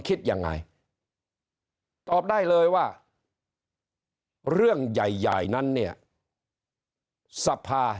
คิดยังไงตอบได้เลยว่าเรื่องใหญ่ใหญ่นั้นเนี่ยสภา